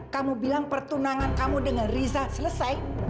kamu bilang pertunangan kamu dengan riza selesai